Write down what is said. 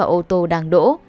ô tô đang đỗ